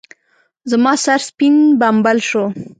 زما سر سپين بمبل شو.